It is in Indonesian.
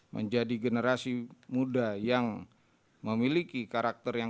menjadi generasi muda yang memiliki karakterisasi